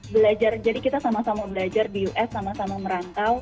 belajar jadi kita sama sama belajar di us sama sama merantau